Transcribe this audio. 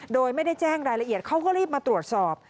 โดยไม่ได้แจ้งรายละเอียดเขาก็รีบมาตรวจสอบ